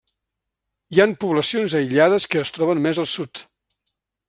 Hi han poblacions aïllades que es troben més al sud.